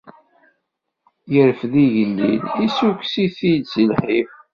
Irfed igellil, issukkes-it-id si lḥif.